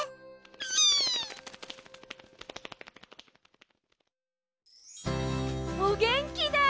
ピイ！おげんきで！